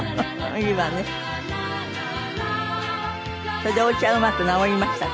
それでおうちはうまく直りましたか？